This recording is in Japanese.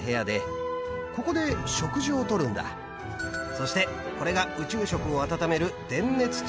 そしてこれが宇宙食を温める。